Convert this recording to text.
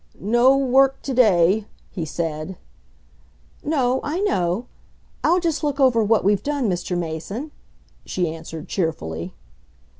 "No work to day," he said. "No I know. I'll just look over what we've done, Mr. Mason," she answered cheerfully.